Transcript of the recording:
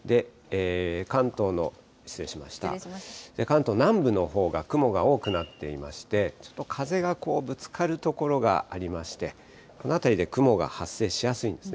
関東の、失礼しました、関東南部のほうが雲が多くなっていまして、ちょっと風がぶつかる所がありまして、この辺りで雲が発生しやすいんですね。